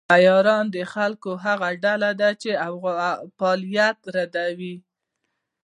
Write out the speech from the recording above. عیاران د خلکو هغه ډله ده چې فعالیت درلود.